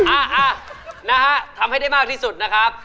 อ่าฮะนะฮะทำให้ได้มากที่สุดนะครับ